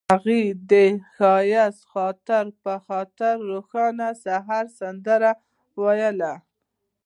هغې د ښایسته خاطرو لپاره د روښانه سهار سندره ویله.